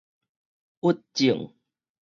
鬱症